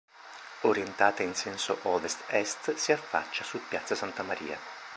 Orientata in senso ovest-est, si affaccia su piazza Santa Maria.